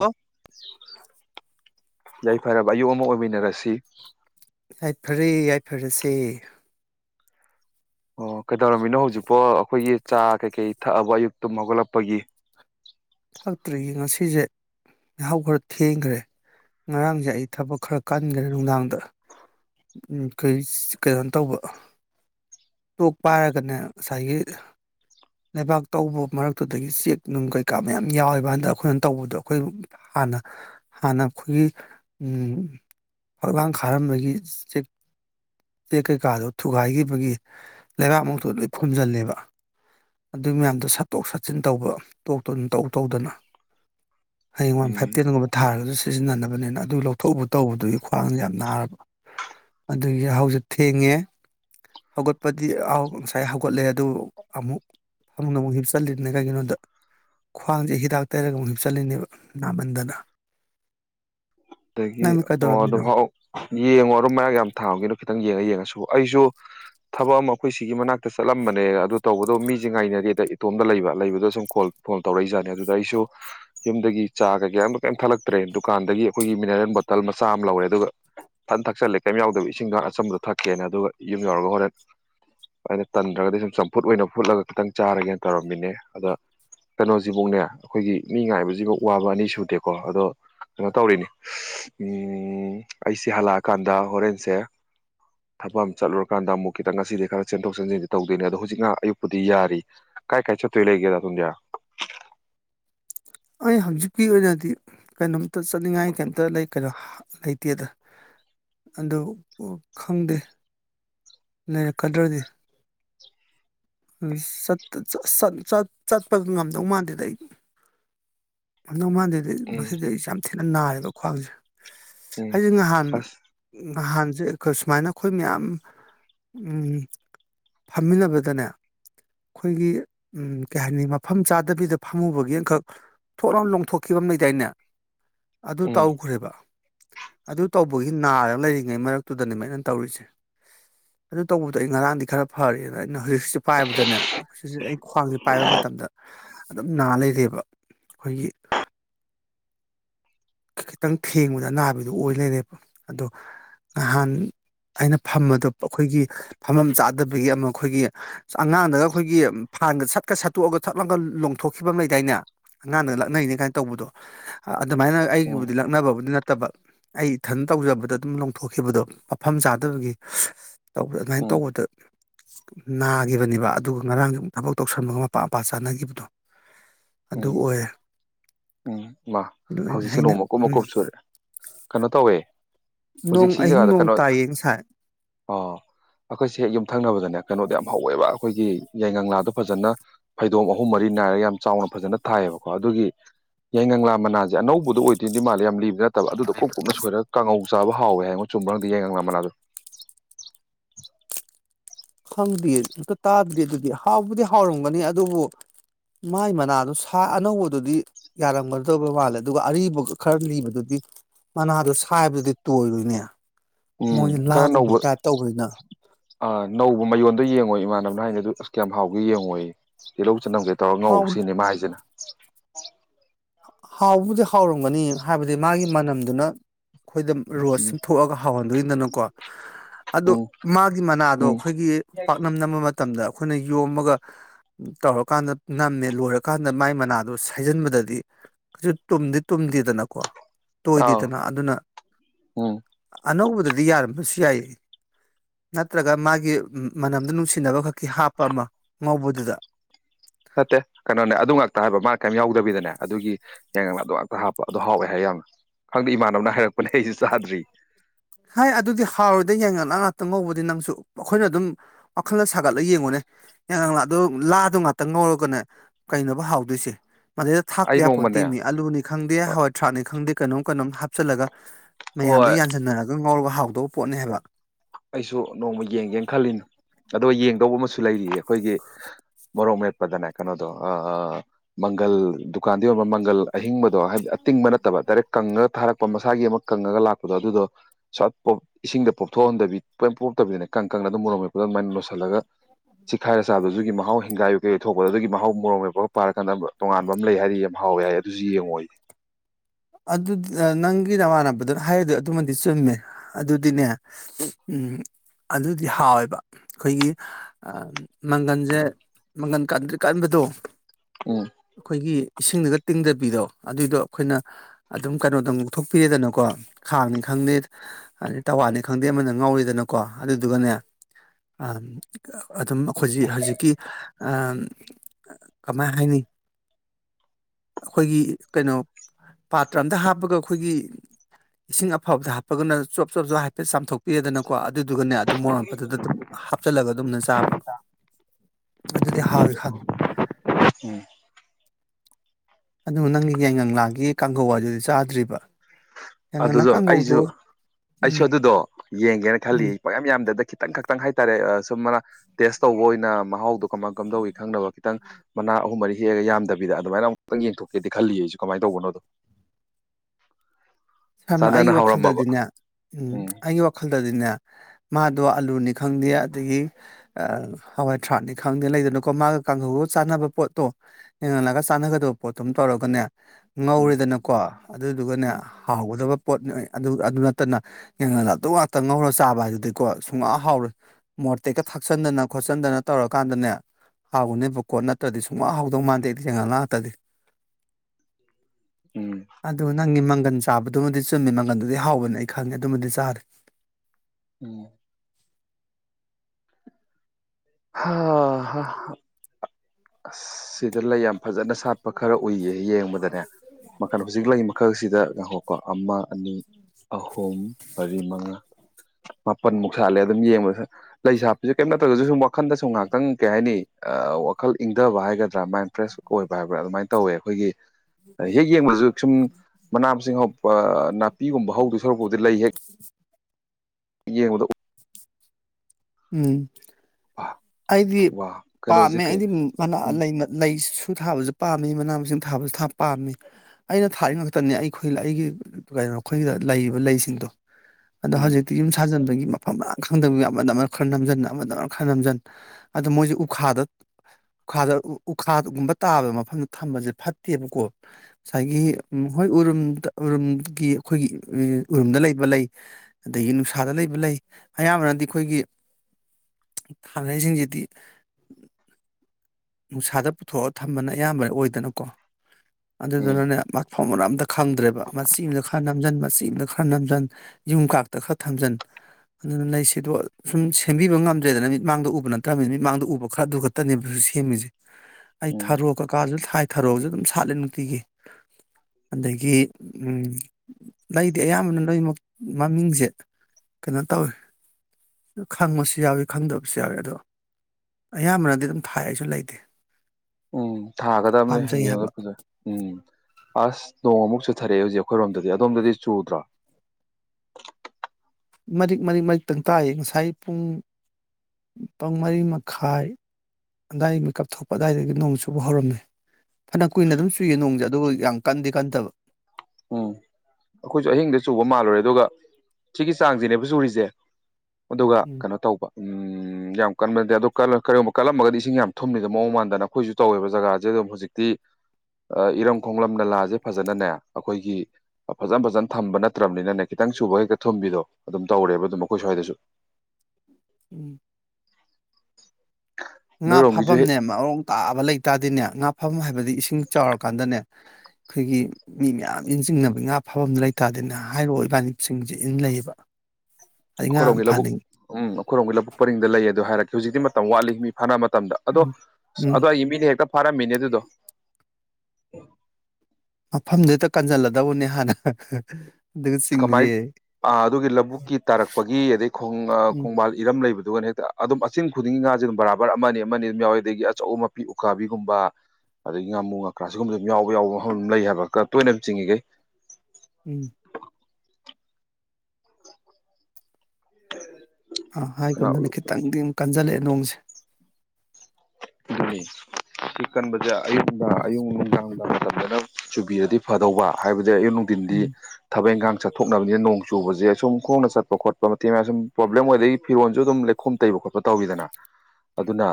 ꯑꯣ ꯌꯥꯏꯐꯔꯕ ꯑꯌꯨꯛ ꯑꯃ ꯑꯣꯏꯃꯤꯟꯅꯔꯁꯤ ꯌꯥꯏꯐꯔꯦ ꯌꯥꯏꯐꯔꯁꯦ ꯑꯣ ꯀꯩꯗꯧꯔꯝꯃꯤꯅꯣ ꯍꯧꯖꯤꯛꯐꯥꯎ ꯑꯩꯈꯣꯏꯒꯤ ꯆꯥ ꯀꯩꯀꯩ ꯊꯛꯑꯕ ꯑꯌꯨꯛꯇꯨꯝ ꯍꯧꯒꯠꯂꯛꯄꯒꯤ ꯊꯇ꯭ꯔꯤꯒꯤ ꯉꯁꯤꯁꯦ ꯂꯩꯍꯥꯎ ꯈꯔ ꯊꯦꯡꯈ꯭ꯔꯦ ꯉꯔꯥꯡꯁꯦ ꯑꯩ ꯊꯕꯛ ꯈꯔ ꯀꯟꯈ꯭ꯔꯦ ꯅꯨꯡꯗꯥꯡꯗ ꯑꯩꯈꯣꯏ ꯀꯩꯅꯣ ꯇꯧꯕ ꯂꯣꯛ ꯄꯥꯏꯔꯒꯅꯦ ꯉꯁꯥꯏꯒꯤ ꯂꯩꯕꯥꯛ ꯇꯧꯕ ꯃꯔꯛꯇꯨꯗꯒꯤ ꯆꯦꯛ ꯅꯨꯡ ꯀꯩ ꯀꯥꯞꯄ ꯃꯌꯥꯝ ꯌꯥꯎꯋꯦꯕ ꯍꯟꯗ ꯑꯩꯈꯣꯏꯅ ꯇꯧꯕꯗꯣ ꯑꯩꯈꯣꯏ ꯍꯥꯟꯅ ꯍꯥꯟꯅ ꯑꯩꯈꯣꯏꯒꯤ ꯍꯛꯂꯥꯡ ꯈꯥꯔꯝꯕꯒꯤ ꯆꯦꯛ ꯆꯦꯛ ꯀꯩꯀꯥꯗꯣ ꯊꯨꯒꯥꯏꯈꯤꯕꯒꯤ ꯂꯩꯕꯥꯛꯃꯛꯇꯣ ꯂꯣꯏ ꯈꯨꯝꯖꯤꯜꯂꯦꯕ ꯑꯗꯨ ꯃꯌꯥꯝꯗꯣ ꯁꯠꯇꯣꯛ ꯁꯠꯆꯟ ꯇꯧꯕ ꯇꯨꯟ ꯇꯧ ꯇꯧꯗꯅ ꯍꯌꯦꯡ ꯋꯥꯟ ꯎꯝ ꯐꯥꯏꯚꯇꯦꯟꯒꯨꯝꯕ ꯊꯥꯔꯗꯨꯁꯤꯦ ꯁꯤꯖꯤꯟꯅꯅꯕꯅꯤꯅ ꯑꯗꯨ ꯂꯧꯊꯣꯛꯎꯕ ꯇꯧꯕꯗꯨꯒꯤ ꯈ꯭ꯋꯥꯡꯁꯦ ꯌꯥꯝ ꯅꯥꯔꯕ ꯑꯗꯨꯒꯤ ꯍꯧꯖꯤꯛ ꯊꯦꯡꯉꯦ ꯍꯧꯒꯠꯄꯗꯤ ꯉꯁꯥꯏ ꯍꯧꯒꯠꯂꯦ ꯑꯗꯨ ꯑꯃꯨꯛ ꯐꯗ ꯑꯃꯨꯛ ꯍꯤꯞꯆꯜꯂꯤꯗꯅ ꯀꯩꯒꯤꯅꯣꯗ ꯈ꯭ꯋꯥꯡꯁꯦ ꯍꯤꯗꯥꯛ ꯇꯩꯔꯒ ꯑꯃꯨꯛ ꯍꯞꯆꯠꯂꯤꯅꯦꯕ ꯅꯥꯃꯟꯗꯅ ꯑꯗꯒꯤ ꯅꯪꯅ ꯑꯣ ꯀꯩꯗꯧꯔꯝꯃꯤꯅꯣ ꯑꯗꯨꯝꯐꯥꯎ ꯌꯦꯡꯉꯣ ꯑꯗꯨꯝ ꯃꯔꯛ ꯌꯥꯝ ꯊꯥꯒꯦꯗꯣ ꯈꯤꯇꯪ ꯌꯦꯡꯉ ꯌꯦꯡꯉꯁꯨ ꯑꯩꯁꯨ ꯊꯕꯛ ꯑꯃ ꯑꯩꯈꯣꯏ ꯁꯤꯒꯤ ꯃꯅꯥꯛꯇ ꯆꯠꯂꯝꯕꯅꯦ ꯑꯗꯨ ꯇꯧꯕꯗꯣ ꯃꯤꯁꯦ ꯉꯥꯏꯅꯗꯦꯗ ꯏꯇꯣꯝꯗ ꯂꯩꯕ ꯂꯩꯗ ꯁꯨꯝ ꯇꯧꯔꯛꯏꯖꯥꯠꯅꯤ ꯑꯗꯨꯗ ꯑꯩꯁꯨ ꯌꯨꯝꯗꯒꯤ ꯆꯥ ꯀꯩꯀꯩ ꯑꯃ ꯀꯩꯝ ꯊꯠꯂꯛꯇ꯭ꯔꯦ ꯗꯨꯀꯥꯟꯗꯒꯤ ꯑꯩꯈꯣꯏꯒꯤ ꯃꯤꯅꯔꯦꯜ ꯕꯣꯇꯜ ꯃꯆꯥ ꯑꯃ ꯂꯧꯔꯦ ꯑꯗꯨꯒ ꯊꯟ ꯊꯛꯆꯜꯂꯦ ꯀꯩꯝ ꯌꯥꯎꯗꯕ ꯏꯁꯤꯡꯒ ꯑꯆꯝꯕꯗꯣ ꯊꯛꯀꯦꯅ ꯑꯗꯨꯒ ꯌꯨꯝ ꯌꯥꯧꯔꯒ ꯍꯣꯔꯦꯟ ꯑꯩꯅ ꯇꯟꯗ꯭ꯔꯒꯗꯤ ꯁꯨꯝ ꯆꯝꯐꯨꯠ ꯑꯣꯏꯅ ꯐꯨꯠꯂꯒ ꯈꯤꯇꯪ ꯆꯥꯔꯒꯦꯅ ꯇꯧꯔꯝꯃꯤꯅꯦ ꯑꯗ ꯀꯩꯅꯣꯁꯤꯐꯨꯅꯦ ꯑꯩꯈꯣꯏꯒꯤ ꯃꯤ ꯉꯥꯏꯕꯁꯤꯐ ꯋꯥꯕ ꯑꯅꯤ ꯁꯨꯗꯦꯀꯣ ꯑꯗꯣ ꯀꯩꯅꯣ ꯇꯧꯔꯤꯅꯤ ꯎꯝ ꯑꯩꯁꯤ ꯍꯜꯂꯛꯑꯀꯥꯟꯗ ꯍꯣꯔꯦꯟꯁꯦ ꯊꯕꯛ ꯑꯃ ꯆꯠꯂꯨꯔꯀꯥꯟꯗ ꯑꯃꯨꯛ ꯈꯤꯇꯪ ꯉꯁꯤꯗꯤ ꯈꯔ ꯆꯦꯟꯊꯣꯛ ꯆꯦꯟꯁꯤꯟꯗꯤ ꯇꯧꯗꯣꯏꯅꯦ ꯑꯗꯣ ꯍꯧꯖꯤꯛꯅ ꯑꯌꯨꯛꯄꯨꯗꯤ ꯌꯥꯔꯤ ꯀꯥꯏ ꯀꯥꯏ ꯆꯠꯇꯣꯏ ꯂꯩꯒꯦꯗꯇꯣꯟꯗꯤꯌꯥ ꯑꯩ ꯍꯧꯖꯤꯛꯀꯤ ꯑꯣꯏꯅꯗꯤ ꯀꯩꯅꯣꯝꯇ ꯆꯠꯅꯤꯡꯉꯥꯏ ꯀꯩꯝꯇ ꯀꯩꯅꯣ ꯂꯩꯇꯦꯗ ꯑꯗꯨ ꯈꯪꯗꯦ ꯂꯩꯔꯛꯀꯗ꯭ꯔꯗꯤ ꯆꯠꯄ ꯉꯝꯗꯧ ꯃꯥꯟꯗꯦꯗ ꯑꯩ ꯑꯗꯨ ꯃꯥꯗꯤ ꯎꯝ ꯃꯁꯤꯗ ꯑꯩ ꯌꯥꯝ ꯊꯦꯡꯅꯩ ꯑ ꯅꯥꯔꯤꯕ ꯈ꯭ꯋꯥꯡꯁꯦ ꯎꯝ ꯑꯩ ꯅꯍꯥꯟ ꯑꯁ ꯅꯍꯥꯟꯁꯦ ꯑꯩꯈ ꯁꯨꯃꯥꯏꯅ ꯑꯩꯈꯣꯏ ꯃꯌꯥꯝ ꯐꯝꯃꯤꯟꯅꯕꯗꯅꯦ ꯑꯩꯈꯣꯏꯒꯤ ꯀꯩ ꯍꯥꯏꯅꯤ ꯃꯐꯝ ꯆꯥꯗꯕꯤꯗ ꯐꯝꯃꯨꯕꯒꯤ ꯑꯃꯈꯛ ꯊꯣꯔꯅ ꯂꯪꯊꯣꯈꯤꯕ ꯃꯩꯗꯥꯥꯏꯅ ꯑꯗꯨ ꯎꯝ ꯇꯧꯈ꯭ꯔꯦꯕ ꯑꯗꯨ ꯇꯧꯕꯒꯤ ꯅꯥꯔꯒ ꯂꯩꯔꯤꯉꯩ ꯃꯔꯛꯇꯨꯗꯅꯦ ꯃꯥꯏꯩꯅ ꯇꯧꯔꯤꯁꯦ ꯑꯗꯨ ꯇꯧꯕꯗꯣ ꯑꯩ ꯉꯔꯥꯡꯗꯤ ꯈꯔ ꯐꯔꯦꯅ ꯍꯧꯖꯤꯛ ꯍꯧꯦ ꯄꯥꯏꯕꯗꯅꯦ ꯍꯧꯛ ꯑꯩ ꯈ꯭ꯋꯥꯡꯁꯦ ꯄꯥꯏꯕ ꯃꯇꯝꯗ ꯑꯗꯨꯝ ꯅꯥ ꯂꯩꯇꯦꯕ ꯑꯩꯈꯣꯏꯒꯤ ꯈꯤꯇꯪ ꯊꯦꯡꯕꯗ ꯑꯅꯥꯕꯤꯗꯨ ꯑꯣꯏ ꯂꯩꯔꯦꯕ ꯑꯗꯣ ꯅꯍꯥꯟ ꯑꯩꯅ ꯐꯝꯃꯗꯣ ꯑꯩꯈꯣꯏꯒꯤ ꯐꯝꯐꯝ ꯆꯥꯗꯕꯒꯤ ꯑꯃ ꯑꯩꯈꯣꯏꯒꯤ ꯑꯉꯥꯡꯗꯒ ꯑꯩꯈꯣꯏꯒꯤ ꯐꯥꯟꯒ ꯁꯠꯀ ꯁꯠꯇꯣꯛꯑꯒ ꯊꯛꯂꯝꯒ ꯂꯣꯡꯊꯣꯛꯈꯤꯕꯉꯗꯥꯏꯅꯦ ꯑꯉꯥꯡꯗꯒ ꯂꯛꯅꯩꯅꯦ ꯀꯥꯏꯅ ꯇꯧꯕꯗꯣ ꯑꯗꯨꯃꯥꯏꯅ ꯑꯩ ꯎꯝ ꯕꯨꯗꯤ ꯂꯥꯛꯅꯕꯕꯨꯗꯤ ꯅꯠꯇꯕ ꯑꯩ ꯏꯊꯟ ꯇꯧꯖꯕꯗ ꯑꯗꯨꯝ ꯂ ꯂꯧꯊꯣꯛꯈꯤꯕꯗꯣ ꯃꯐꯝ ꯆꯥꯗꯕꯒꯤ ꯇꯧꯕ ꯑꯗꯨꯃꯥꯏꯅ ꯎꯝ ꯇꯧꯕꯗ ꯅꯥꯈꯤꯕꯅꯦꯕ ꯑꯗꯨꯒ ꯉꯔꯥꯡ ꯊꯕꯛ ꯇꯧꯁꯟꯕꯒ ꯃꯄꯥ ꯃꯄꯥ ꯆꯥꯅꯈꯤꯕꯗꯣ ꯑꯗꯨ ꯎꯝ ꯑꯣꯏꯔ ꯑꯗꯨ ꯑꯩꯅ ꯎꯝ ꯀꯨꯞꯃꯀꯨꯞ ꯁꯨꯔꯦ ꯀꯩꯅꯣ ꯇꯧꯋꯦ ꯅꯣꯡ ꯑꯍꯤꯡ ꯅꯣꯡ ꯇꯥꯏꯌꯦ ꯉꯁꯥꯏ ꯑꯣ ꯑꯩꯈꯣꯏꯁꯦ ꯍꯦꯛ ꯌꯨꯝ ꯊꯪꯅꯕꯗꯅꯦ ꯀꯩꯅꯣꯗꯣ ꯌꯥꯝ ꯍꯧꯋꯦꯕ ꯑꯩꯈꯣꯏꯒꯤ ꯌꯥꯏꯉꯪꯂꯥꯗꯣ ꯐꯖꯅ ꯐꯩꯗꯣꯝ ꯑꯍꯨꯝ ꯃꯔꯤ ꯅꯥꯏꯔꯒ ꯌꯥꯝ ꯆꯥꯎꯅ ꯐꯖꯅ ꯊꯥꯏꯌꯦꯕꯀꯣ ꯑꯗꯨꯒꯤ ꯌꯥꯏꯉꯪꯂꯥ ꯃꯅꯥꯁꯦ ꯑꯅꯧꯕꯗꯣ ꯑꯣꯏꯗꯣꯏꯗꯤ ꯃꯥꯜꯂꯦ ꯌꯥꯝ ꯂꯤꯕꯗ ꯇꯕ ꯑꯗꯨꯗꯣ ꯀꯨꯞ ꯀꯨꯞꯅ ꯁꯣꯏꯔꯒ ꯀꯥꯡꯉꯧ ꯆꯥꯕ ꯍꯥꯎꯋꯦ ꯍꯥꯏꯌꯦꯉꯣ ꯆꯨꯝꯕ꯭ꯔꯥ ꯈꯪꯗꯦ ꯌꯥꯏꯉꯪꯂꯥ ꯃꯅꯥꯗꯣ ꯈꯪꯗꯤꯌꯦ ꯑꯝꯇ ꯇꯥꯗ꯭ꯔꯤ ꯗꯨꯗꯤ ꯍꯥꯎꯕꯨꯗꯤ ꯍꯥꯎꯔꯝꯒꯅꯤ ꯑꯗꯨꯕꯨ ꯃꯥꯏ ꯃꯅꯥꯗꯨ ꯁꯥ ꯑꯅꯧꯕꯗꯨꯗꯤ ꯌꯥꯔꯝꯒꯗꯕ ꯃꯥꯜꯂꯦ ꯑꯗꯨꯒ ꯑꯔꯤꯕ ꯈꯔ ꯂꯤꯕꯗꯨꯗꯤ ꯃꯅꯥꯗꯨ ꯁꯥꯏꯕꯗꯨꯗꯤ ꯇꯣꯏꯔꯣꯏꯅꯦ ꯃꯣꯏꯅ ꯂꯥꯒꯨꯝꯕꯩ ꯇꯥꯏꯞ ꯇꯧꯕꯅꯤꯅ ꯑ ꯅꯧꯕ ꯃꯌꯣꯟꯗꯣ ꯌꯦꯡꯉꯣ ꯏꯃꯥꯟꯅꯕꯅ ꯍꯥꯏꯅꯤ ꯑꯗꯨ ꯑꯁ ꯀꯌꯥꯝ ꯍꯥꯎꯒꯦ ꯌꯦꯡꯉꯣꯌꯦ ꯆꯅꯝꯒꯦ ꯇꯧꯔꯒ ꯉꯧꯕ ꯍꯥꯎꯕꯗꯤ ꯁꯤꯅꯤ ꯃꯥ ꯍꯥꯏꯁꯤꯅ [unintelligible] ꯍꯥꯎꯕꯨꯗꯤ ꯍꯥꯎꯔꯝꯒꯅꯤ ꯍꯥꯏꯕꯗꯤ ꯃꯥꯒꯤ ꯃꯅꯝꯗꯨꯅ ꯈꯣꯏꯗ ꯔꯣꯁ ꯎꯝ ꯑꯝ ꯊꯣꯛꯑꯒ ꯍꯥꯎꯍꯟꯗꯣꯏꯅꯤꯗꯅꯀꯣ ꯑꯗꯣ ꯎꯝ ꯃꯥꯒꯤ ꯃꯅꯥꯗꯣ ꯎꯝ ꯑꯩꯈꯣꯏꯒꯤ ꯄꯥꯛꯅꯝ ꯅꯝꯕ ꯃꯇꯝꯗ ꯑꯩꯈꯣꯏꯅ ꯌꯣꯝꯃꯒ ꯇꯧꯔꯀꯥꯟꯗ ꯅꯝꯃꯦ ꯂꯣꯏꯔꯀꯥꯟꯗ ꯃꯥꯏ ꯃꯅꯥꯗꯣ ꯁꯩꯖꯤꯟꯕꯗꯗꯤ ꯇꯨꯝꯗꯤ ꯇꯨꯝꯗꯦꯗꯅꯀꯣ ꯑꯥꯎ ꯇꯣꯏꯗꯦꯗꯅ ꯑꯗꯨꯅ ꯎꯝ ꯑꯅꯧꯕꯗꯗꯤ ꯌꯥꯔꯝꯕꯁꯨ ꯌꯥꯏꯌꯦ ꯅꯠꯇ꯭ꯔꯒ ꯃꯥꯒꯤ ꯃꯅꯝꯗ ꯅꯨꯡꯁꯤꯅꯕ ꯈꯛꯀꯤ ꯍꯥꯞꯄ ꯑꯃ ꯉꯧꯕꯗꯨꯗ ꯅꯠꯇꯦ ꯀꯩꯅꯣꯅꯦ ꯑꯗꯨ ꯉꯥꯛꯇ ꯍꯥꯏꯕ ꯃꯥ ꯀꯩꯔꯤꯝ ꯌꯥꯎꯗꯕꯤꯗꯅꯦ ꯑꯗꯨꯒꯤ ꯌꯥꯏꯉꯪ ꯑꯗꯨ ꯉꯥꯛꯇ ꯍꯥꯞꯄ ꯑꯣ ꯍꯥꯎꯋꯦ ꯍꯥꯏ ꯌꯥꯅ ꯈꯪꯗꯦ ꯏꯃꯥꯟꯅꯕꯅ ꯍꯥꯏꯔꯛꯄꯅꯦ ꯑꯩꯁꯨ ꯆꯥꯗ꯭ꯔꯤ ꯍꯥꯏ ꯑꯗꯨꯗꯤ ꯍꯥꯎꯔꯣꯏꯗ ꯌꯥꯏꯉꯪꯂꯥ ꯉꯥꯛꯇ ꯉꯧꯕꯗꯤ ꯅꯪꯁꯨ ꯑꯈꯣꯏꯅ ꯑꯗꯨꯝ ꯋꯥꯈꯜꯅ ꯁꯥꯒꯠꯂꯒ ꯌꯦꯡꯉꯨꯅꯦ ꯌꯥꯏꯉꯪꯂꯥ ꯑꯗꯨꯣ ꯂꯥꯗꯣ ꯉꯥꯛꯇ ꯉꯧꯔꯒꯅꯦ ꯀꯩꯅꯣꯕ ꯍꯥꯎꯗꯨꯏꯁꯦ ꯃꯗꯩꯩꯗ ꯑꯩ ꯊꯥꯛꯇꯌꯥꯄꯣꯟ ꯅꯣꯡꯃꯅꯦ ꯇꯤꯃꯤ ꯑꯥꯂꯨꯅꯤ ꯈꯪꯗꯦ ꯍꯣꯏ ꯍꯋꯥꯏ ꯊ꯭ꯔꯥꯛꯅꯤ ꯈꯪꯗꯦ ꯀꯩꯅꯣꯝ ꯀꯩꯅꯣꯝ ꯍꯥꯞ ꯆꯂꯒ ꯃꯌꯥꯝꯗꯨ ꯍꯣꯏ ꯌꯥꯟꯁꯟꯅꯔꯒ ꯑꯗꯨ ꯉꯧꯔꯒ ꯍꯥꯎꯗꯧꯕ ꯄꯣꯠꯅꯦ ꯍꯥꯏꯕ ꯑꯩꯁꯨ ꯅꯣꯡꯃ ꯌꯦꯡꯒꯦꯅ ꯈꯜꯂꯤꯅ ꯑꯗꯣ ꯌꯦꯡꯗꯧꯕ ꯨ ꯂꯩꯔꯤꯌꯦ ꯑꯩꯈꯣꯏꯒꯤ ꯃꯔꯣꯔꯣꯛ ꯃꯦꯠ ꯗꯅꯦ ꯀꯩꯅꯣꯗꯣ ꯃꯪꯒꯜ ꯗꯨꯀꯥꯟꯗꯤ ꯑꯣꯏ ꯃꯪꯒꯜ ꯑꯍꯤꯡꯕꯗꯣ ꯍꯥꯏꯕꯗꯤ ꯑꯇꯤꯡꯕ ꯅꯠꯇꯕ ꯗꯥꯏꯔꯦꯛ ꯀꯪꯉꯒ ꯊꯥꯔꯛ ꯄ ꯃꯁꯥꯒꯤ ꯑꯃ ꯀꯪꯉꯒ ꯂꯥꯛꯄꯗꯣ ꯑꯗꯨꯗꯣ ꯏꯁꯤꯡꯗ ꯄꯣꯞꯊꯣꯛꯍꯟꯗꯕꯤ ꯄꯣꯏ ꯄꯣꯛꯇꯕꯤꯗꯅꯦ ꯀꯥꯡ ꯀꯪꯅ ꯑꯗꯨ ꯃꯔꯨꯝꯃꯦ ꯂ ꯃꯟ ꯃꯣꯠꯁꯤꯜꯂꯒ ꯆꯤꯈꯥꯏꯔ ꯆꯥꯕꯗꯨꯒꯤ ꯃꯍꯥꯎ ꯍꯤꯡꯒꯥꯏ ꯑꯣꯏ ꯀꯩ ꯑꯣꯏ ꯊꯣꯛ ꯑꯗꯨꯒꯤ ꯃꯍꯥꯎ ꯃꯣꯔꯣꯡ ꯃꯦꯄꯒ ꯄꯥꯔꯀꯥꯟꯗꯕ ꯇꯣꯉꯥꯟꯕ ꯑꯃ ꯂꯩ ꯍꯥꯏꯔꯤꯌꯦ ꯌꯥꯝ ꯍꯥꯎꯋꯦ ꯍꯥꯏ ꯑꯗꯨꯁꯨ ꯌꯦꯡꯉꯣꯌꯦ ꯑꯗꯨ ꯅꯪꯒꯤ ꯅꯃꯥꯟꯅꯕꯗꯨꯅ ꯍꯥꯏꯔꯗ ꯑꯗꯨꯃꯗꯤ ꯆꯨꯝꯃꯦ ꯑꯗꯨꯗꯤꯅꯦ ꯎꯝ ꯑꯗꯨꯗꯤ ꯍꯥꯎꯋꯦꯕ ꯑꯩꯈꯣꯏꯒꯤ ꯃꯪꯒꯟꯁꯦ ꯃꯪꯒꯟ ꯀꯥꯟꯗ꯭ꯔꯔꯤ ꯀꯟꯕꯗꯣ ꯎꯝ ꯑꯩꯈꯣꯏꯒꯤ ꯏꯁꯤꯡꯗꯨꯒ ꯇꯤꯡꯗꯕꯤꯗꯣ ꯑꯗꯨꯏꯗꯣ ꯑꯩꯈꯣꯏꯅ ꯑꯗꯨꯝ ꯀꯩꯅꯣꯗꯪ ꯉꯣꯛꯊꯣꯛꯄꯤꯔꯦꯗꯅꯀꯣ ꯈꯥꯡꯅꯤ ꯈꯪꯗꯦ ꯑꯗꯩ ꯇꯋꯥꯅꯤ ꯈꯪꯗꯦ ꯑꯃꯅ ꯉꯥꯎꯔꯤꯗꯅꯀꯣ ꯑꯗꯨꯗꯨꯒꯅꯦ ꯑꯗꯨꯝ ꯑꯩꯈꯣꯏꯖꯤ ꯍꯧꯖꯤꯛꯀꯤ ꯀꯃꯥꯏ ꯍꯥꯏꯅꯤ ꯑꯩꯈꯣꯏꯒꯤ ꯀꯩꯅꯣ ꯄꯥꯇ꯭ꯔ ꯑꯝꯗ ꯍꯥꯞꯄꯒ ꯑꯩꯈꯣꯏꯒꯤ ꯏꯁꯤꯡ ꯑꯐꯕꯗ ꯍꯥꯞꯄꯒꯅ ꯆꯣꯞ ꯆꯣꯞꯁꯨ ꯍꯥꯏꯐꯦꯠ ꯆꯥꯝꯊꯣꯛ ꯄꯤꯔꯦꯗꯅꯀꯣ ꯑꯗꯨꯗꯨꯒꯅꯦ ꯑꯗꯨꯝ ꯃꯣꯔꯣꯟ ꯃꯄꯗꯨꯗ ꯑꯗꯨꯝ ꯍꯥꯞꯆꯤꯜꯂꯒ ꯑꯗꯨꯝꯅ ꯆꯥꯕ ꯑꯗꯨꯗꯤ ꯍꯥꯎꯋꯤ ꯈꯪꯉꯤ ꯑꯗꯨ ꯅꯪꯒꯤ ꯌꯥꯏꯉꯥꯒꯤ ꯀꯥꯡꯒꯧ ꯋꯥꯗꯨꯗꯤ ꯆꯥꯗ꯭ꯔꯤꯕ ꯌꯥꯏꯉꯪꯂꯥ ꯑꯗꯨꯗꯣ ꯑꯩꯁꯨ ꯀꯥꯡꯒꯧꯗꯣ ꯑꯩꯁꯨ ꯎꯝ ꯑꯗꯨꯗꯣ ꯌꯦꯡꯒꯦꯅ ꯎꯝ ꯈꯜꯂꯤ ꯄꯌꯥꯝ ꯌꯥꯝꯗꯗ ꯈꯤꯇꯪ ꯈꯛꯇꯪ ꯍꯥꯏꯇꯥꯥꯔꯦ ꯁꯨꯝ ꯃꯅ ꯇꯦꯁ ꯇꯧꯕ ꯑꯣꯏꯅ ꯃꯍꯥꯎꯗꯣ ꯀꯃꯥꯏ ꯀꯝ ꯇꯧꯏꯤ ꯈꯪꯅꯕ ꯈꯤꯇꯪ ꯃꯅꯥ ꯑꯍꯨꯝ ꯃꯔꯤ ꯍꯦꯛꯑꯒ ꯌꯥꯝꯗꯕꯤꯗ ꯑꯗꯨꯃꯥꯏꯅ ꯑꯃꯨꯛꯇꯪ ꯌꯦꯡꯊꯣꯛꯀꯦꯗꯤ ꯈꯜꯂꯤ ꯑꯩꯁꯨ ꯀꯃꯥꯏꯅ ꯇꯧꯕꯅꯣꯗꯣ ꯁ ꯆꯥꯟꯅꯅ ꯑꯩꯒꯤ ꯍꯧꯔꯝꯃꯕ ꯋꯥꯈꯜꯗꯗꯤꯅꯦ ꯎꯝ ꯑꯩꯒꯤ ꯋꯥꯈꯜ ꯑꯗꯨꯗꯤꯅꯦ ꯃꯥꯗꯣ ꯑꯂꯨꯅꯤ ꯈꯪꯗꯦ ꯑꯗꯒꯤ ꯍꯋꯥꯏ ꯊꯔꯥꯛꯅꯤ ꯈꯪꯗꯦ ꯂꯩꯗꯅꯀꯣ ꯃꯥꯒ ꯀꯥꯡꯈꯧꯒ ꯆꯥꯅꯕ ꯄꯣꯠꯇꯣ ꯌꯦꯡꯍꯜꯂꯒ ꯆꯥꯟꯅꯒꯗꯕ ꯄꯣꯠꯇꯣꯝ ꯇꯧꯔꯒꯅꯦ ꯎꯝ ꯉꯧꯔꯦꯗꯅꯀꯣ ꯑꯗꯨꯗꯨꯒꯅꯦ ꯎꯝ ꯍꯥꯎꯒꯗꯕ ꯄꯣꯠꯅꯤ ꯑꯗꯨ ꯑꯗꯨ ꯅꯠꯇꯅ ꯌꯦꯡꯉꯜ ꯑꯗꯨ ꯉꯥꯛꯇ ꯉꯧꯔ ꯆꯥꯕ ꯍꯥꯏꯗꯨꯗꯤꯀꯣ ꯁꯨꯡꯍ ꯍꯥꯎꯔꯣꯏ ꯃꯣꯔ ꯇꯦꯛꯀ ꯊꯥꯛꯆꯟꯗꯅ ꯈꯣꯠꯆꯟꯗꯅ ꯇꯧꯔꯀꯥꯟꯗꯅꯦ ꯍꯥꯎꯒꯅꯦꯕꯀꯣꯠ ꯅꯠꯇ꯭ꯔꯗꯤ ꯁꯨꯡꯃ ꯍꯥꯎꯗꯧ ꯃꯥꯟꯗꯦ ꯑꯩꯗꯤ ꯌꯦꯡꯉꯜ ꯉꯥꯛꯇꯗꯤ ꯎꯝ ꯑꯗꯨ ꯅꯪꯒꯤ ꯃꯪ ꯆꯥꯕꯗꯨꯃꯗꯤ ꯆꯨꯝꯃꯦ ꯃꯪꯒꯟꯗꯨꯗꯤ ꯍꯥꯎꯕꯅ ꯑꯩ ꯈꯪꯉꯦ ꯑꯗꯨꯃꯗꯤ ꯆꯥꯔꯦ ꯎꯝ ꯍꯥ ꯍꯥ ꯑꯁ ꯁꯤꯗ ꯂꯩ ꯌꯥꯝ ꯐꯖꯅ ꯁꯥꯠꯄ ꯈꯔ ꯎꯏꯌꯦ ꯌꯦꯡꯕꯗꯅꯦ ꯃꯈꯜ ꯍꯧꯖꯤꯛ ꯂꯩ ꯃꯈ ꯈꯛꯁꯤꯗ ꯉꯍꯣꯀꯣ ꯑꯃ ꯑꯅꯤ ꯑꯍꯨꯝ ꯃꯔꯤ ꯃꯉꯥ ꯃꯥꯄꯟꯃꯨꯛ ꯁꯥꯠꯂꯦ ꯑꯗꯨꯝ ꯌꯦꯡꯕꯗ ꯂꯩ ꯁꯥꯠꯄꯁꯦ ꯀꯔꯤꯝ ꯅꯠꯇꯗꯁꯨ ꯁꯨꯝ ꯋꯥꯈꯟꯗ ꯁꯨꯝ ꯉꯥꯏꯍꯥꯛꯇꯪ ꯀꯩ ꯍꯥꯏꯅꯤ ꯋꯥꯈꯜ ꯏꯪꯊꯕ ꯍꯥꯏꯒꯗ꯭ꯔꯥ ꯃꯥꯏꯟ ꯐ꯭ꯔꯦꯁ ꯑꯣꯏꯕ ꯍꯥꯏꯕ꯭ꯔꯥ ꯑꯗꯨꯃꯥꯏꯅ ꯇꯧꯋꯦ ꯑꯩꯈꯣꯏꯒꯤ ꯍꯦꯛ ꯌꯦꯡꯕꯁꯨ ꯁꯨꯝ ꯃꯅꯥ ꯃꯁꯤꯡ ꯍ ꯅꯥꯄꯤꯒꯨꯝꯕ ꯍꯧꯗꯣꯏ ꯁꯔꯛꯄꯕꯨꯗꯤ ꯂꯩ ꯍꯦꯛ ꯌꯦꯡꯉꯗ ꯎꯝ ꯑꯩꯗꯤ ꯋꯥ ꯀꯩꯅꯣꯁꯦ ꯄꯥꯝꯃꯦ ꯑꯩꯗꯤ ꯀꯩꯅꯣ ꯃꯅꯥ ꯎꯝ ꯂꯩ ꯁꯨ ꯊꯥꯕꯁꯨ ꯄꯥꯝꯃꯤ ꯃꯅꯥ ꯃꯁꯤꯡ ꯊꯥꯕꯁꯨ ꯄꯥꯝꯃꯤ ꯑꯩꯅ ꯊꯥꯔꯤ ꯉꯥꯛꯇꯅꯤ ꯑꯩ ꯑꯩꯈꯣꯏ ꯑꯩꯒꯤ ꯀꯩꯅꯣ ꯑꯩꯈꯣꯏꯒꯤꯗ ꯂꯩꯔꯤꯕ ꯂꯩꯁꯤꯡꯗꯣ ꯑꯗꯣ ꯎꯝ ꯍꯧꯖꯤꯛꯇꯤ ꯌꯨꯝ ꯁꯥꯖꯟꯕꯒꯤ ꯃꯐꯝ ꯃꯔꯥꯡ ꯈꯪꯗꯕꯒꯤ ꯑꯃꯗ ꯑꯃꯅ ꯈꯔ ꯅꯝꯖꯟ ꯑꯃꯗ ꯑꯃꯅ ꯈꯔ ꯅꯝꯖꯟ ꯑꯗꯣ ꯃꯣꯏꯁꯦ ꯎꯈꯥꯗ ꯎꯈꯥꯗ ꯎꯈꯥꯒꯨꯝꯕ ꯇꯥꯕꯗ ꯃꯐꯝꯗ ꯊꯝꯕꯁꯦ ꯐꯠꯇꯦꯕꯀꯣ ꯉꯁꯥꯏꯒꯤ ꯍꯣꯏ ꯎꯔꯨꯝꯗ ꯎꯔꯨꯝꯒꯤ ꯑꯩꯈꯣꯏꯒꯤ ꯎꯔꯨꯝꯗ ꯂꯩꯕ ꯂꯩ ꯑꯗꯒꯤ ꯅꯨꯡꯁꯥꯗ ꯂꯩꯕ ꯂꯩ ꯑꯌꯥꯝꯕꯅꯗꯤ ꯑꯩꯈꯣꯏꯒꯤ ꯊꯥꯟꯅꯩꯁꯤꯡꯁꯤꯗꯤ ꯅꯨꯡꯁꯥꯗ ꯄꯨꯊꯣꯛꯑ ꯊꯝꯕꯅ ꯑꯌꯥꯝꯕꯅ ꯑꯣꯏꯗ ꯇꯅꯀꯣ ꯎꯝ ꯑꯗꯨꯗꯨꯅꯅꯦ ꯃꯐꯝ ꯃꯔ ꯑꯝꯇ ꯈꯪꯗ꯭ꯔꯦꯕ ꯃ ꯈ ꯈꯔ ꯅꯝꯖꯟ ꯃꯆꯤꯗ ꯈꯔ ꯅꯝꯖꯟ ꯌꯨꯝ ꯀꯥꯇ ꯈꯔ ꯊꯝꯖꯟ ꯑꯗꯨꯅ ꯂꯩꯁꯤꯗꯣ ꯁꯨꯝ ꯁꯦꯝꯕꯤꯕ ꯉꯝꯗ꯭ꯔꯦꯗꯅ ꯃꯤ ꯃꯥꯡꯗ ꯎꯕ ꯅꯠꯇ꯭ꯔꯕ ꯃꯤꯅ ꯃꯤꯠꯃꯥꯡꯗ ꯎꯕ ꯈꯔ ꯑꯗꯨ ꯈꯛꯇꯅꯦꯕ ꯁꯦꯝꯃꯤꯁꯦ ꯑꯩ ꯎꯝ ꯊꯥꯔꯨ ꯀꯥꯖ ꯊꯥꯏ ꯊꯔꯣꯁꯨ ꯑꯗꯨꯝ ꯁꯥꯠꯂꯦ ꯅꯨꯡꯇꯤꯒꯤ ꯑꯗꯒꯤ ꯂꯩꯗꯤ ꯑꯌꯥꯝꯕꯅ ꯂꯣꯏ ꯃꯃꯤꯡꯁꯦ ꯀꯩꯅꯣ ꯇꯧꯋꯦ ꯈꯪꯕꯁꯨ ꯌꯥꯎꯋꯤ ꯈꯪꯗꯕ ꯁ ꯌꯥꯒꯦꯗꯣ ꯎꯝ ꯊꯥꯒꯗꯕꯅꯦ ꯄꯥꯝꯖꯩ ꯍꯥꯏꯡ ꯍꯥꯏꯕ ꯐꯖ ꯎꯝ ꯑꯁ ꯅꯣꯡꯃꯨꯛ ꯆꯨꯊꯔꯛꯑꯦ ꯍꯧꯖꯤꯛ ꯑꯩꯈꯣꯏꯔꯣꯝꯗꯗꯤ ꯑꯗꯣꯝꯗꯗꯤ ꯆꯨꯗ꯭ꯔꯥ ꯃꯔꯤꯛ ꯃꯔꯤꯛ ꯃꯔꯤꯛꯇꯪ ꯇꯥꯏꯌꯦ ꯉꯁꯥꯏ ꯄꯨꯡ ꯄꯨꯡ ꯃꯔꯤ ꯃꯈꯥꯏ ꯑꯗꯨꯋꯥꯏꯗꯒꯤ ꯀꯥꯞꯊꯣꯛꯄ ꯑꯗꯨꯋꯥꯏꯗꯒꯤ ꯅꯣꯡ ꯆꯨꯕ ꯍꯧꯔꯝꯃꯦ ꯐꯅ ꯀꯨꯏꯅ ꯑꯗꯨꯝ ꯆꯨꯏꯌꯦ ꯅꯣꯡꯁꯦ ꯑꯗꯨꯕꯨ ꯌꯥꯝ ꯀꯟꯗꯤ ꯀꯟꯗꯕ ꯎꯝ ꯑꯩꯈꯣꯏꯁꯨ ꯑꯍꯤꯡꯗ ꯆꯨꯕ ꯃꯥꯜꯂꯨꯔꯦ ꯑꯗꯨꯒ ꯁꯤꯒꯤ ꯆꯥꯡꯁꯤꯅꯦꯕ ꯆꯨꯔꯤꯁꯦ ꯑꯗꯨꯒ ꯎꯝ ꯀꯩꯅꯣ ꯇꯧꯕ ꯎꯝ ꯎꯝ ꯌꯥꯝ ꯀꯟꯕ ꯅꯠꯇꯦ ꯑꯗꯨ ꯀꯜ ꯀꯔꯤꯒꯨꯝꯕ ꯀꯜꯂꯝꯃꯒꯗꯤ ꯏꯁꯤꯡ ꯌꯥꯝ ꯊꯨꯝꯅꯤꯗ ꯃꯑꯣꯡ ꯃꯥꯟꯗꯅ ꯑꯩꯈꯣꯏꯁꯨ ꯇꯧꯋꯦꯕ ꯖꯒꯥꯁꯦ ꯑꯗꯨꯝ ꯍꯧꯖꯤꯛꯇꯤ ꯏꯔꯝ ꯈꯣꯡꯂꯝ ꯅꯂꯥꯖꯦ ꯐꯖꯅꯅꯦ ꯑꯩꯈꯣꯏꯒꯤ ꯐꯖꯅ ꯐꯖꯅ ꯊꯝꯕ ꯅꯠꯇ꯭ꯔꯕꯅꯤꯅꯅꯦ ꯈꯤꯇꯪ ꯆꯨꯕꯒ ꯍꯦꯛꯇ ꯊꯨꯝꯕꯤꯗꯣ ꯑꯗꯨꯝ ꯇꯧꯔꯦꯕ ꯑꯗꯨꯝ ꯑꯩꯈꯣꯏ ꯁ꯭ꯋꯥꯏꯗꯁꯨ ꯎꯝ ꯉꯥ ꯅꯣꯏꯔꯣꯝꯒꯤꯁꯨ ꯍꯦꯛ ꯐꯥꯚꯝꯅꯦ ꯃꯑꯣꯡ ꯇꯥꯕ ꯂꯩ ꯇꯥꯗꯤꯅꯦ ꯉꯥꯐꯝ ꯍꯥꯏꯕꯗꯤ ꯏꯁꯤꯡ ꯆꯥꯎꯔꯀꯥꯟꯗꯅꯦ ꯑꯩꯈꯣꯏꯒꯤ ꯃꯤ ꯃꯌꯥꯝ ꯏꯟ ꯆꯤꯡꯅꯕꯩ ꯉꯥ ꯐꯥꯚꯝꯗꯨ ꯂꯩꯇꯥꯗꯤꯅꯦ ꯍꯥꯏꯔꯛꯑꯣ ꯏꯕꯥꯅꯤ ꯏꯟ ꯆꯤꯡꯖꯦ ꯏꯟ ꯂꯩꯌꯦꯕ ꯑꯩ ꯉꯥ ꯑꯃ ꯑꯈꯣꯏꯔꯣꯝꯒꯤ ꯂꯧꯕꯨꯛ ꯐꯥꯅꯤꯡꯉꯤ ꯎꯝ ꯑꯩꯈꯣꯏꯔꯣꯝꯒꯤ ꯂꯧꯕꯨꯛ ꯄꯔꯤꯡꯗ ꯂꯩ ꯑꯗꯨ ꯍꯥꯏꯔꯛꯦ ꯍꯨꯖꯤꯛꯇꯤ ꯃꯇꯝ ꯋꯥꯠꯂꯤ ꯃꯤ ꯐꯥꯅꯃꯠ ꯇꯝꯗ ꯑꯗꯣ ꯎꯝ ꯎꯝ ꯑꯗꯣ ꯑꯩ ꯃꯤꯅ ꯍꯦꯛꯇ ꯐꯥꯔꯝꯃꯤꯅꯦ ꯑꯗꯨꯗꯣ ꯃꯐꯝꯗꯨꯗ ꯀꯟꯖꯜꯂꯗꯧꯕꯅꯦ ꯍꯥꯟꯅ ꯑꯗꯨꯒ ꯀꯃꯥꯏ ꯆꯤꯡꯁꯦ ꯑꯥ ꯑꯗꯨꯒꯤ ꯂꯧꯕꯨꯛꯀꯤ ꯇꯥꯔꯛꯄꯒꯤ ꯑꯗꯩ ꯈꯣꯡ ꯑ ꯎꯝ ꯈꯣꯡꯕꯥꯜ ꯏꯔꯝ ꯂꯩꯕ ꯑꯗꯨꯒꯅꯦ ꯍꯦꯛꯇ ꯑꯗꯨꯝ ꯑꯆꯤꯟ ꯈꯨꯗꯤꯡꯒꯤ ꯉꯥꯖꯦ ꯑꯗꯨꯝ ꯕꯔꯥꯕꯔ ꯑꯃꯅꯤ ꯑꯃꯅꯤ ꯑꯗꯨꯝ ꯌꯥꯎꯋꯦ ꯑꯗꯒꯤ ꯑꯆꯧꯕ ꯃꯄꯤ ꯎꯀꯥꯕꯤꯒꯨꯝꯕ ꯑꯗꯒꯤ ꯉꯥꯃꯨ ꯉꯥꯀ꯭ꯔꯥ ꯁꯤꯒꯨꯝꯕꯁꯨ ꯑꯗꯨꯝ ꯌꯥꯎꯕ ꯌꯥꯎꯕ ꯃꯐꯝ ꯑꯗꯨꯝ ꯂꯩ ꯍꯥꯏꯕ ꯈ ꯇꯣꯏꯅ ꯑꯗꯨꯝ ꯆꯤꯡꯉꯤꯈꯩ ꯎꯝ ꯑ ꯀꯅꯥ ꯍꯥꯏꯒꯨꯝꯗꯅ ꯈꯤꯇꯪꯗꯤ ꯑꯃꯨꯛ ꯀꯟꯖꯜꯂꯛꯑꯦ ꯅꯣꯡꯁꯦ ꯑꯗꯨꯅꯤ ꯁꯤ ꯀꯟꯕꯖꯦ ꯑꯌꯨꯨꯛ ꯅꯨꯡꯗꯥꯡ ꯑꯌꯨꯛ ꯅꯨꯡꯗꯥꯡ ꯅꯨꯡꯗꯥꯡ ꯃꯇꯝꯗꯅ ꯆꯨꯕꯤꯔꯗꯤ ꯐꯗꯧꯕ ꯍꯥꯏꯕ ꯖꯦ ꯑꯌꯨꯛ ꯅꯨꯡꯗꯤꯟꯗꯤ ꯎꯝ ꯊꯕꯛ ꯏꯟꯒꯥꯡ ꯆꯠꯊꯣꯛꯅꯕꯅꯤꯅ ꯅꯣꯡ ꯆꯨꯕꯖꯦ ꯁꯨꯝ ꯈꯣꯡꯅ ꯆꯠꯄ ꯈꯣꯠꯄ ꯃꯇꯦꯛ ꯃꯌꯥꯝ ꯁꯨꯝ ꯄ꯭ꯔꯣꯕ꯭ꯂꯦꯝ ꯑꯣꯏ ꯑꯗꯩ ꯐꯤꯔꯣꯟꯁꯨ ꯑꯗꯨꯝ ꯂꯩꯈꯣꯝ ꯇꯩꯕ ꯈꯣꯠꯄ ꯇꯧꯋꯤꯗꯅ ꯑꯗꯨꯅ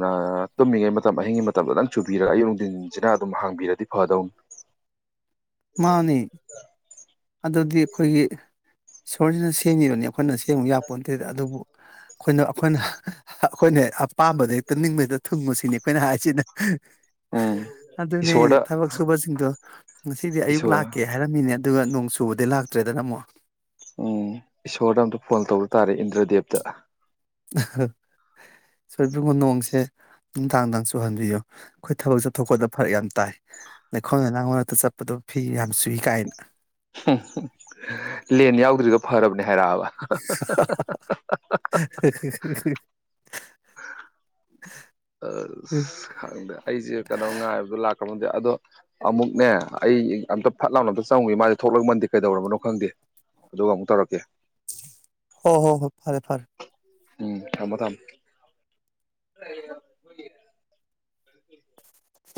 ꯅꯥꯑꯥ ꯇꯨꯝꯃꯤꯉꯩ ꯃꯇꯝ ꯑꯍꯤꯡꯒꯤ ꯃꯇꯝꯗꯗꯪ ꯆꯨꯕꯤꯔ ꯑꯌꯨꯛ ꯅꯨꯡꯊꯤꯟꯁꯤꯅ ꯑꯗꯨꯝ ꯍꯥꯡꯕꯤꯔꯗꯤ ꯐꯗꯧꯅꯤ ꯃꯥꯅꯦ ꯑꯗꯨꯗꯤ ꯑꯩꯈꯣꯏꯒꯤ ꯏꯁꯣꯔꯁꯤꯅ ꯁꯦꯝꯒꯤꯕꯅꯦ ꯑꯩꯈꯣꯏꯅ ꯁꯦꯝꯃꯨ ꯌꯥꯄꯣꯟꯇꯦꯗ ꯑꯗꯨꯕꯨ ꯑꯩꯈꯣꯏꯅ ꯑꯩꯈꯣꯏꯅ ꯑꯩꯈꯣꯏꯅ ꯑꯄꯥꯝꯕꯗ ꯍꯦꯛꯇ ꯅꯤꯡꯕ ꯍꯦꯛꯇ ꯊꯨꯡꯉꯣ ꯁꯤꯅꯤ ꯑꯩꯈꯣꯏꯅ ꯍꯥꯏꯁꯤꯅ ꯎꯝ ꯑꯗꯨꯅꯦ ꯏꯁꯣꯔꯗ ꯊꯕꯛ ꯁꯨꯕꯁꯤꯡꯗꯣ ꯉꯁꯤꯗꯤ ꯑꯌꯨꯛ ꯏꯁꯣꯔ ꯂꯥꯛꯀꯦ ꯍꯥꯏꯔꯝꯃꯤꯅꯦ ꯑꯗꯨꯒ ꯅꯣꯡ ꯆꯨꯕꯗꯩ ꯂꯥꯛꯇ꯭ꯔꯦꯗꯅ ꯑꯃꯨꯛ ꯎꯝ ꯏꯁꯣꯔꯗ ꯑꯝꯇ ꯐꯣꯟ ꯇꯧꯕ ꯇꯥꯔꯦ ꯏꯟꯗ꯭ꯔꯗꯦꯕꯇ ꯏꯁꯣꯔ ꯏꯕꯨꯡꯉꯣ ꯅꯣꯡꯁꯦ ꯅꯨꯡꯗꯥꯡ ꯅꯨꯡꯗꯥꯡ ꯆꯨꯍꯟꯕꯤꯌꯨ ꯑꯩꯈꯣꯏ ꯊꯕꯛ ꯆꯠꯊꯣꯛꯄꯗ ꯐꯔꯛ ꯌꯥꯝ ꯇꯥꯏ ꯂꯩꯈꯣꯝ ꯂꯩꯅꯥꯥꯡ ꯃꯔꯛꯇ ꯆꯠꯄꯗꯣ ꯐꯤ ꯌꯥꯝ ꯆꯨꯏ ꯀꯥꯏꯅ ꯂꯦꯟ ꯌꯥꯎꯗ꯭ꯔꯤꯗꯣ ꯐꯔꯕꯅꯦ ꯍꯥꯏꯔꯛꯑꯕ ꯑꯥꯁ ꯈꯪꯗꯦ ꯑꯩꯁꯦ ꯀꯩꯅꯣ ꯉꯥꯏꯕꯗꯣ ꯂꯥꯛ ꯁꯣꯡꯉꯝꯗꯦ ꯑꯗꯣ ꯑꯃꯨꯛꯅꯦ ꯑꯩ ꯑꯝꯇ ꯐꯠ ꯂꯥꯎꯅ ꯑꯝꯇ ꯆꯪꯉꯨꯏꯒꯦ ꯃꯥꯁꯦ ꯊꯣꯛꯂꯛꯃꯟꯗꯦ ꯀꯩꯗꯧꯔꯕꯅꯣ ꯈꯪꯗꯦ ꯑꯗꯨꯒ ꯑꯃꯨꯛ ꯇꯧꯔꯛꯀꯦ ꯍꯣ ꯍꯣ ꯍꯣ ꯐꯔꯦ ꯐꯔꯦ ꯎꯝ ꯊꯝꯕ ꯊꯝ